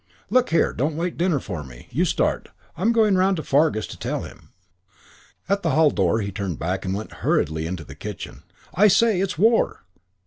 "Look here. Don't wait dinner for me. You start. I'm going round to Fargus to tell him." At the hall door he turned back and went hurriedly into the kitchen. "I say, it's war!"